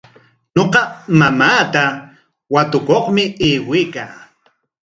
Ñuqa mamaata watukaqmi aywaykaa.